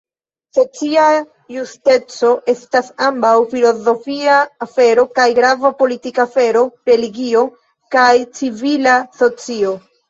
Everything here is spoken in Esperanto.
Socia justeco estas ambaŭ filozofia afero kaj grava politika afero, religio, kaj civila socio.